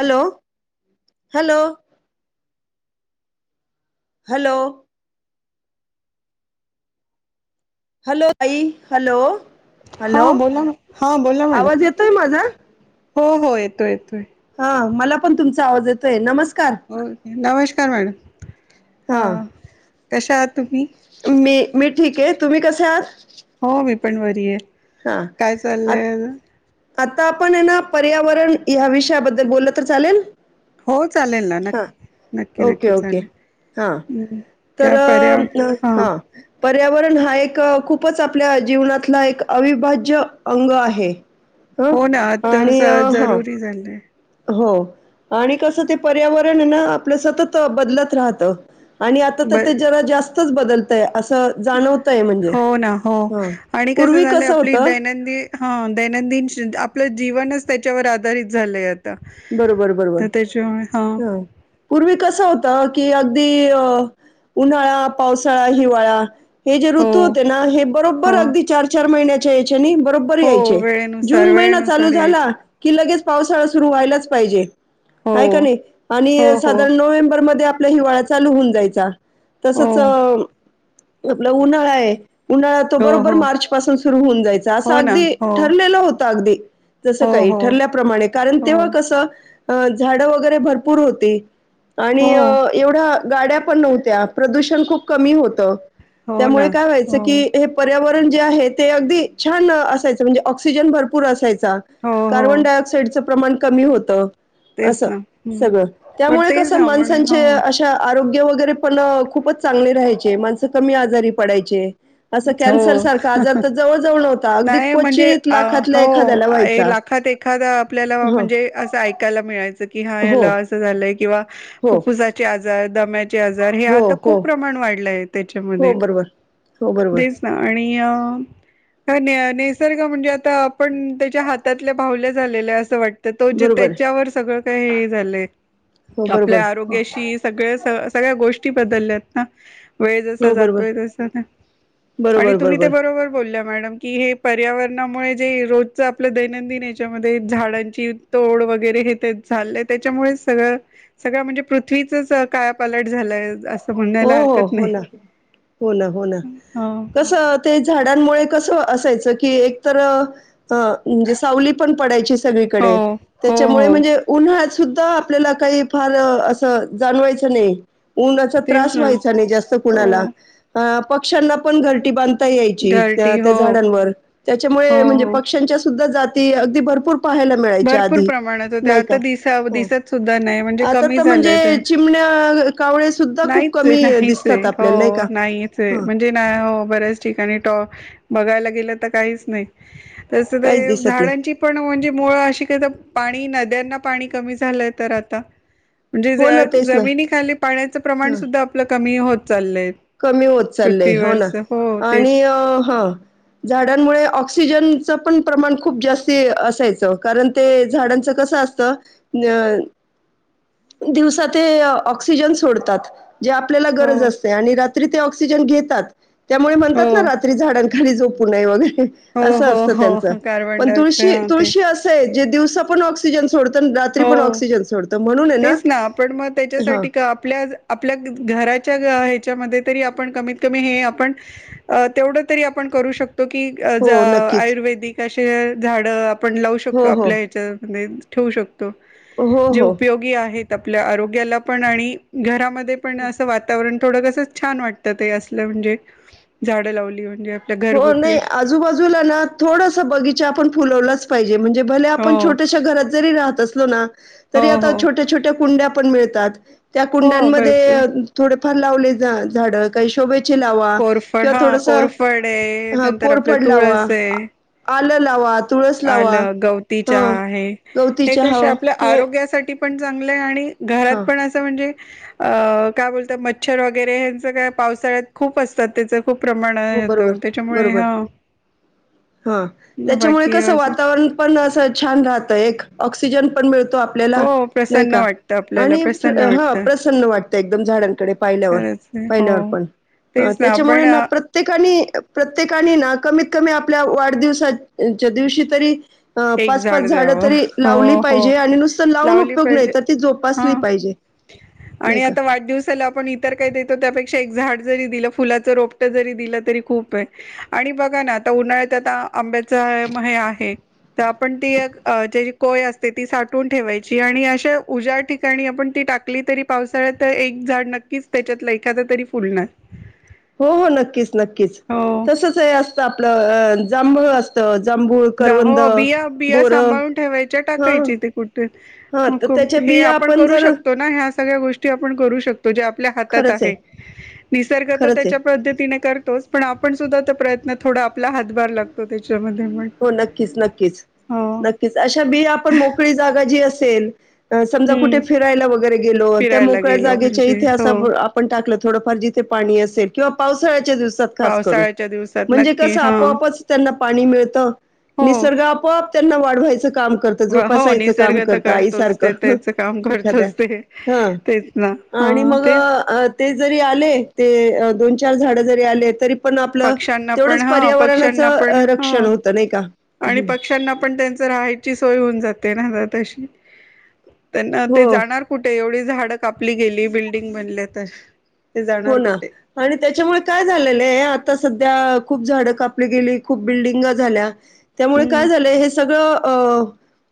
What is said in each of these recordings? Hello hello hello hello ताई hello हा hello बोला हा बोला मॅडम आवाज येतोय माझा हो हो येतोय येतोय हा मला पण तुमचा आवाज येतोय नमस् हो नमस्कार मॅडम हा ह कशा आहात? तुम्ही? मी मी ठीक आहे. तुम्ही कसे आहात? हो मी पण बरी आहेत. हा काय आ चाललंय अजून? आता आपण आहे ना पर्यावरण ह्या विषयाबद्दल बोलल तर चालेल? हो चालेल ना हां नक्की नक्की ओके नक्की ओके हां चालेल तर त्या पर्या हा हां पर्यावरण हा एक खूपच आपल्या जीवनातला एक अविभाज्य अंग आहे. ह हो ना आता आणि हा जरुरी झालंय. हो आणि कसं ते पर्यावरण ना आपलं सतत बदलत राहत! आणि आता तर ब ते जरा जास्त च बदलतय. असं जाणवतय म्हणजे, हो ना हो हा आणि पूर्वी झालंय कसं होत आपली दैनंदिन हा दैनंदिन आपलं जीवनच त्याच्यावर आधारित झालं आहेत. बरोबर बरोबर हा पूर्वी कसा होत? कि अगदी उन्हाळा, पावसाळा, हिवाळा हे जे हो ऋतू होते ना हे बरोबर हो अगदी चार चार महिन्या चे त्यांनी बरोबर हो यांचे, वेळेनुसार जून महिना चालू वेळेनुसार झाला यायचे. की लगेच पावसाळा सुरू व्हायला पाहिजे. हो. हाय का नाही हो आणि हो साधारण नोव्हेंबर मध्ये आपला हिवाळा चालू होऊन जायचा. हो तसंच आपलं उन्हाळा आहे उन्हाळा तो हो बरोबर हो मार्च पासून सुरू होऊन जायचा असं हो ना अगदी हो ठरलेलं होत. अगदी जसं हो काही हो ठरल्याप्रमाणे, कारण हो तेव्हा अ झाड वगैरे भरपूर होती. आणि हो एवढा गाड्या पण नव्हत्या प्रदूषण खूप कमी होतं! हो ना त्यामुळे काय व्हायचं हो की हे पर्यावरण [unintelligible] जे आहे ते अग छान असायच म्हणजे ऑक्सिजन भरपूर असायच. हो हो कार्बनडाय ऑक्साईड च प्रमाण कमी होतं. अस तेच ना हम्म सगळं पण त्यामुळे कस तेच आपण हो माणसांचे अशा आरोग गे वगैरे पण खूपच चांगले राहायचे माणसं कमी आजारी पडायचे. असं हो कॅन्सर सारखा आजार तर जवळ जवळ नव्हता. अगदी नाही म्हणजे क्वचित लाखातल्या हो एखाद्याला अ व्हायचा. लाखात एखाद आपल्याला. हं. म्हणजे असं ऐकायला मिळायचं. कि हा हो. याला असं झालंय. किंवा हो. फु्ुफुसाचे आज जाय दमॅ चे आजार हे हो. आता हो. खूप प्रमाण वाढय हो. त्याच्यामध्ये. बरोबर. हो. बरोबर. तेच ना आणि. निअ त निअ नेसर्ग म्हणजे आता आपण त्याच्या हातातल्या बाहुल्या झालेल्या असं वाट तर तो बरोबर आहे. त्याच्यावर सगळं काही हे झालंय हो. बरोबर. आपल्या आरोग्याशी सगळ. त सगळ्या गोष्टी बदलल्यात ना, वेळ जसा हो. बरोबर. जातोय तस ना, आणि तुम्ही ते बरोबर बोले. मडम की हे पर्यावरणामुळे जे रोजच आपलं दैनंदिन याच्यामध्ये झाडांची तोड वगैरे हे ते झालंय त्याच्यामुळे सगळं सगळं म्हणजे पृथ्वीचच कायापालट झालाय अस. हो हो हो ना हो ना हो ना, हो कसं ते झाडांमुळे कस असायच की एक तर अ म्हणजे सावली पण पडायची. हो सगळीकडे हो त्याच्यामुळे हो म्हणजे उन्हाच सुद्धा आपल्याला काही फार असं जाणवायचं नाही ऊनच. तेच त्रास ना व्हायचा नाही जास्त हो कुणाला अ अप पक्षांना पण घरटी बांध [unintelligible] त्या घरटी त्या हो झाडांवर त्याच्या हो मुळो म्हणजे हो पक्षांच सुध्दा जाते अगदी भरपूर पाहायला मिळायच्या भरपूर आधी प्रमाणात होते नाही का आता दिसा हो दिसत सुद्धा नाही म्हणजे आत कमी त झालं ते म्हणजे चिमन्या कवळे सुद्धा खुप ते नाहीच हे हो नाहीच हे हा म्हणजे नाही हो बऱ्याच ठिकाणी टॉ बघायला गेलं तर काहीच नाही. तस ते काहीच दिसत नाही झाडांची पण म्हणजे मुळ अ का पाणी नद्यांना पाणी कमी झालंय तर आता म्हणजे हो ना तेच ना जमिनीखाली पाण्याचं प्रमाण हां सुद्धा आपलं क मी होत चाललंय कमी होत चाललय हो ना पृथ्वीवरच हो आणि तेच अ हा झाडांमुळे ऑक्सिजनच पण प्रमाण खूप जास्त असायचं कारण ते झाडांच कसं असतं अ दिवसाात ऑक्सिजन सोडतात जे आपल्याला हो गरज असते आणि ऑक्सिजन घेतात त्यामुळे म्हणतात ना हो रात्री झाडां घरी जो पु नाहीय वगैरे हो असं हो असतं त्यांच हो कार्बन पण डायऑक्साइड तुळशी हा ते तुळशी असं आहेच दिव पण ऑक्सिजन सोड हो तेच ना आपण मग हां त्याच्यासाठी का आपल्या आपल्या घराच्या आहेत आपण कत कमी आप तेव तरी आपण करू शकतो तो की ज हो नक्कीच आयुर्वेदिक असे झाड आपण लावू हो शकतो हो आपल्या ह्याच्यामध्ये ठेवू शकतो हो, जे हो. उपयोगी आहेत आपल्या आरोग्याला पण आणि घरामध्ये ण असं वातावरण थोडं कस छान वाटतं ते असलं म्हणजे झाडं लावली म्हणजे आपल्या हो घरगुती नाही अशी आजूबाजूला ना थोडस बगीचा आपण फुलवलाच पाहिजे म्हणजे भले हो आपण छोट्याश्या घरात जरी राहत असलो ना हो तरी आता हो छोट्या छोट्या कुंड्या पण मिळतात त्या हो भरपूर कुंडांमध्ये थोड फार लावले जा झाड काही शोभे लावा कोरफड किंवा हा थोडस कोरफड नंतर आपलं तूळ अस आहे झाडं लावा तुळस लावा. आलं, गवती चहा हं, आहे गवती हे चहा. कसे आपल्या हे आरोग्यासाठी पण चांगलं आहे आणि घरात हां, पण असं म्हणजे अ काय बोलत मच्छर वगैरे हेंच काय पावसाळ्यात खूप असतात त्याच खूप प्रमाण हो बरोबर, येतं त्याच्यामुळे बरोबर. हाे, हां. त्याच्यामुळे बाकी कसं अजून वातावरण पण असं छान राहतं एक ऑक्सिजन पण मिळतो. त आपल्याला हो नाही प्रसन्न का, वाटतं आपल्याला आणि प्रसन्न ह वाटतं प्रसन्न वाटत एकदम झाडांकडे पाहील्यावर खरंच आहे हो पाहील्यावर पण तेच त्याच्यामुळे आपण ना प्रत्येकाने ना कमीत कमी आपल्या वाढदिवसाच्या दिवशी तरी अ एक पाच पाच झाड झाडं द्याव तरी लावली हो हो पाहिजे आणि नुसतं लावून लावली उपयोग नाही पाहिजे, तर ती जोपासली हां पाहिजे. नाही आणि का? आता वाढदिवसाला आपण इतर काय देतो त्यापेकी झाड जरी दिलं फुलाच रोपट जरी दिलं तरी खूप आहे आणि बघा ना आता उन्हाळ्यात आता आंब्याच म आहे. तर आपण ती एक त्याची कोय असते ती साठवून ठेवायची. आणि अशा उज्या ठिकाणी आपण ती टाकली तरी पावसाळ्यात एक झाड नक्कीच त्याच्यात एखाद तरी फुलणार. हो हो नक्कीच नक्कीच हो तसच हे असत आपलं अ जांभळ असत. जा हो बिया बिया सांभाळून ठेवायच्या हां. टाकायची ते कुठे हा तर खूप त्याच्या हे बिया आपण करू जर शकतो ना, ह्या सगळ्या गोष्टी आपण करू शकतो, जे आपल्या हातात आहे, निसर्ग तर खरंच आहे त्याच्या पद्धतीने करतोच पण आपण सुद्धा प्रयत्न थोडा आपला हातभार लागतो. त्याच्या मध्ये मग. हो नक्कीच नक्कीच नक्कीच अशा बीया आपण मोकळी जागा जी अस तेल समजा कुठे हम्म फिरायला वगैरे गेलो त्या फिरायला मोकळ्या गेलो जागेच्या म्हणजे इथे हो असं आपण टाकलं थोड फार जिथे पाणी असेल किंवा पावसाळ्या पावसाळ्याच्या दिवसात खास करून पावसाळ्याच्या दिवसात म्हणजे नक्की कस हा आपोआपच पाणी मिळतं. हो निसर्ग आपोआप त्यांना वाढवायच काम करतो, हो जोसायचं निसर्ग काम तर करत, करतोच आईसारख ते त्याच काम एखाद्या करतोच ते ह तेच ना आणि हा मग तेच ते जरी आले दोन चार झाड जरी आले तरी पण आपलं पक्ष्यांना पण तेवढंच हा पक्ष्यांना पर्यावरणाचं पण हा रक्षण होत. आणि पक्ष्यांना पण त्यांच राहायची सोय होऊन जाते ना तशी. त्यांना ते हो. जाणार कुठे एवढेच झाडं कापली गेली बिल्डिंग बनल्या तर ते हो जाणार ना कुठे आणि त्याच्यामुळे काय झालेलं आहे आता सध्या त्या खूप झाडं कापली गेली खूप बिल्डिंग झाल्या. त्यामुळे काय हम्म झालंय हे सगळं अ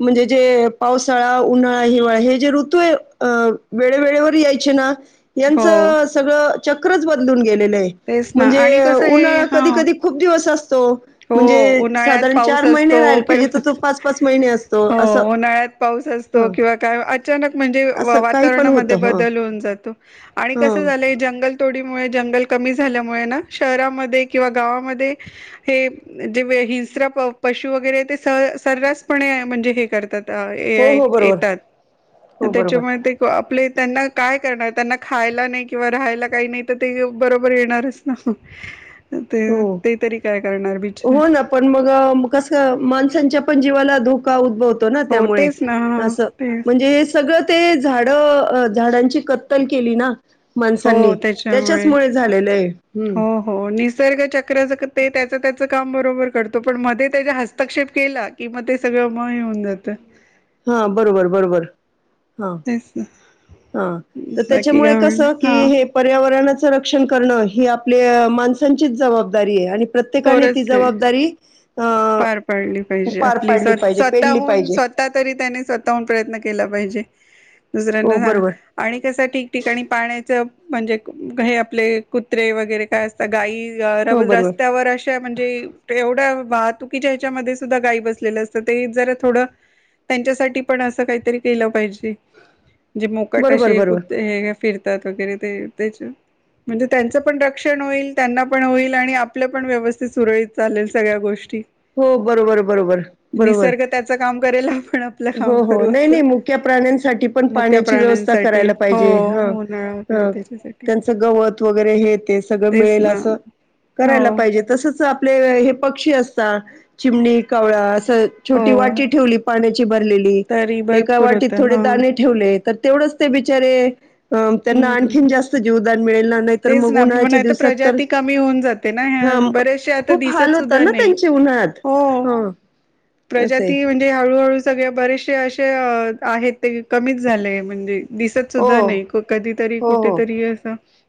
म्हणजे जे पावसाळा, उन्हाळा, हिवाळा हे जे ऋतू आहे अ वेळेवेेळेवर यायचे ना, हो यांचं चक्रच बदलून गेलं तेच [unintelligible] ना आणि म्हणजे कसं हे उन्हा हा कधी, कधी, खूप दिवस असो हो उन्हाळ्यात पाऊस महिने असतो. राहायला कि पाहिजे तर तो पाच पाच महिने असतो हो असं उन्हाळ्यात पाऊस असतो. हं. किंवा काय अचानक म्हणजे असं काही पण वातावरणामध्ये होतं हं. बदल होऊन जातो. आणि कस हं. झालं जंगल, तोडीमुळे जंगल कमी झाल्यामुळे ना शहरामध्ये किंवा गावामध्ये. हे जे हिंस्र पशू वगैरे ते स सर्रास पणे म्हणजे हे करतात. हो, हो बरोबर. येतात हो बरोबर. त्याच्यामुळे आपले त्यांना काय करणार त्यांना खायला नाही. किंवा राहायला काही नाही तर ते बरोबर येणारच ना. ते हो. ते तरी काय करणार बिचार हो ना पण मग कस माणसांच्या पण जीवाला धोका उद्भवतो [unintelligible] हो त्यामुळे तेच ना ह अस तेच म्हणजे हे सगळं ते झाड झाडांची कत्तल केली ना. हो माणसांनी त्याच्याच त्याच्यामुळे मुळे झालेलंय हे हम्म हो हो निसर्ग चक्रच ते त्याच त्याच काम बरोबर करतो. पण मध्ये त्याचा हस्तक्षेप केला, की मग ते सगळं म येऊन जातं. हा बरोबर बरोबर हा तेच ना हा तर बाकी त्याच्यामुळे काय कस म्हण की हा हे पर्यावरणच संरक्षण करण ही आपले माणसांचीच जबाबदारी आहे आणि प्रत्येकाने ती खरच आहे जबाबदारी [inaudible] पार पाडली पाहिजे पार आपली स् पाडली पाहिजे, पेलली स्वतःहून, पाहिजे. स्वतः तरी त्यांनी स्वतःहून प्रयत्न केला पाहिजे. दुसऱ्यांना हो, सांगा बरोबर. आणि कसं? ठिकठिकाणी पाण्याच म्हणजे हे आपले कुत्रे, वगैरे काय असत गाई हो, बरोबर. रस्त्यावर अशी म्हणजे एवढ्या वाहतुकीच्या ह्याच्यामध्ये सुद्धा गाई बसलेलं असतं. ते जरा थोड त्यांच्यासाठी पण असं काहीतरी केलं पाहिजे. जे मोकट बरोबर, अशे बरोबर. कुत्रे हे फिर [unintelligible] म्हणजे त्यांच पण रक्षण होईल त्यांना पण होईल आणि आपलं पण व्यवस्थित सुरळीत चालेल सगळ्या गोष्टी हो बरोबर बरोबर बरोबर निसर्ग त्याचं काम करेल आपण आपलं काम हो हो करू नाही असं नाही मुख्य प्राण्यांसाठी पण मुक्या पाण्याची व्यवस्था प्राण्यांसाठी करायला हो पाहिजे ह उन्हाळा वगैरे त्याच्यासाठी त्यांच गवत वगैरे हे ते सगळं तेच मिळेल ना असं हो करायला पाहिजे तसच आपले हे पक्षी अस [unintelligible] चिमणी, कावळा हो छोटी वाटी ठेवली पाण्याची भरलेली तरी एका भरपूर वाटीत होतं थोडे हा दाणे ठेवलेत तेवढंच ते बिचारे अ त्यांना हम्म आणखीन जास्त जीवदान मिळेल ना नाही तर तेच मग ना पण उन्हाळ्याच्या आता दिवसात तर प्रजाती कमी होऊन जाते ना [unintelligible] ह्या हा बरेचसे आता खूप हाल दिसत होता सुद्धा ना त्यांचे उन्हाळ्यात हो हा असं आहे प्रजाती म्हणजे हळूहळू सगळे बरेचसे असे आहेत ते कमीच झाले म्हणजे दिसत हो सुद्धा नाही. कधीतरी हो हो कुठेतरी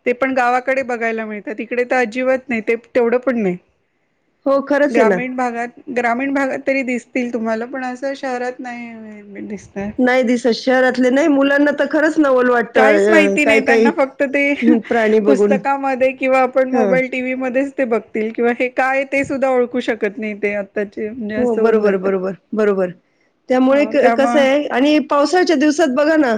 ते पण गावाकडे बघायला मिळतात. इकडे तर अजिबात नाही ते तेवढं पण नाही. हो खरंच आहे ना ग्रामीण भागात ग्रामीण भागात तरी दिसतील तुम्हाला पण असं शहरात नाही मिळ दिस नाही दिसत शहरातले नाही मुलांना तर खरंच नवल काहीच वाटतं अ, माहिती नाही काही काही त्यांना फक्त ते हम्म प्राणी बघून पुस्तकामध्ये किंवा आपण हा मोबाईल टीव्ही मध्येच ते बघतील किंवा हे काय ते सुद्धा ओळखू शकत नाही ते आत्ताचे म्हणजे हो असं होऊन बरोबर जातं. बरोबर बरोबर त्यामुळे हो कसं त्यामुळे आहे आणि पावसाळ्याच्या दिवसात बघा ना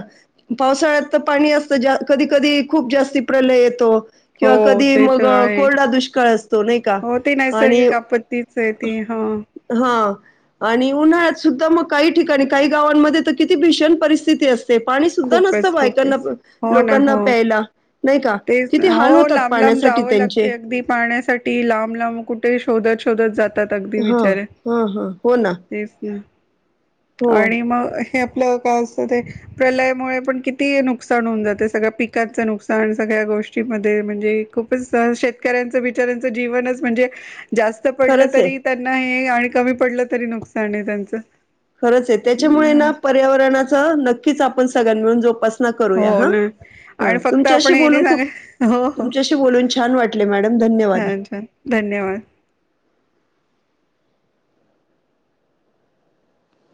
पावसाळ्यात तर पाणी असतं कधी कधी खूप जास्ती प्रलय येतो. किंवा हो कधी ते मग तर आहे कोरडा दुष्काळ असतो नाही का हो ते आणि नैसर्गिक आपत्तीच आहे ती हा हा आणि उन्हाळ्यात सुद्धा मग काही ठिकाणी काही गावांमध्ये तर किती भीषण परिस्थिती अस ते पाणी सुद्धा नसत खूपच बायकांना खूपच लोकांना प्यायला नाही. का? ते किती हाल हो होतात लांब लांब पाण्यासाठी जावं त्यांचे. लागते अगदी पाण्यासाठी साठी लांब लांब कुठे शोधत शोधत जात अगदी हां, बिचारे हां, हां. हो ना. तेच ना हो. आणि मग हे आपलं काय असतं ते प्रलयमुळे पण किती नुकसान होऊन जाते सगळ्या पिकांचं नुकसान सगळ्या गोष्टीमध्ये म्हणजे खूपच शेतकऱ्यांच बिचाऱ्यांचं जीवनच म्हणजे जास्त पडलं खरंच आहे, तरी त्यांना आणि कमी पडलं तरी नुकसान आहे त्यांचं खरंच आहे त्याच्यामुळे ना अ, पर्यावरणाचं नक्कीच आप ण सगळ्यां मिळून जोपा सना करूया हो हा ना ह आणि फक्त आपण तुमच्याशी हे बोलून नाही खूप सांगाय हो हो तुमच्याशी बोलून छान वाटल मॅडम धन्यवाद छान छान धन्यवाद.